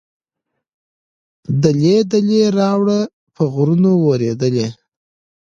دلۍ دلۍ واوره په غرونو ورېدلې.